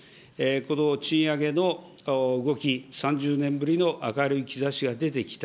この賃上げの動き、３０年ぶりの明るい兆しが出てきた。